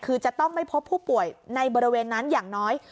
คือจะต้องไม่พบผู้ป่วยในบริเวณนั้นอย่างน้อย